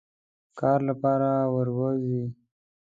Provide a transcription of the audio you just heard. کار لپاره وروزی.